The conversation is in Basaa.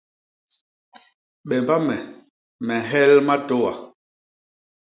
Bemba me, me nhel matôa.